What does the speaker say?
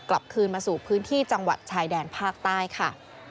กลับคืนมาสู่พื้นที่จังหวัดชายแดนภาคใต้ค่ะ